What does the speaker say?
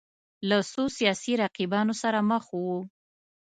له څو سیاسي رقیبانو سره مخ وو